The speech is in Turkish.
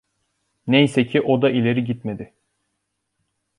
Neyse ki o da ileri gitmedi.